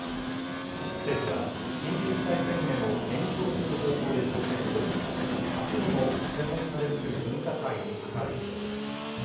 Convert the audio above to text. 政府は、緊急事態宣言を延長する方向で調整しており、あすにも専門家で作る分科会に諮る見通しです。